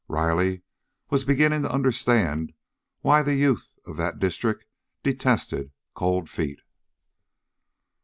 Riley was beginning to understand why the youth of that district detested Cold Feet.